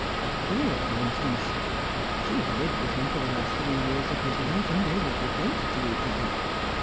Aunt Dora, for instance. She lived with him for the last three years of his life, and they were devoted to each other.